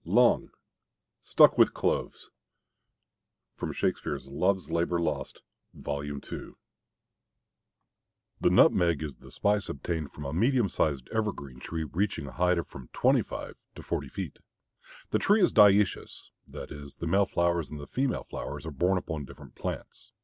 Long: Stuck with cloves. Shakespeare, "Love's Labor Lost," V. 2. The nutmeg is the spice obtained from a medium sized evergreen tree reaching a height of from twenty five to forty feet. This tree is dioecious, that is the male flowers and the female flowers are borne upon different plants.